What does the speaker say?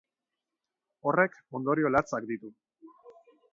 Horrek ondorio latzak ditu.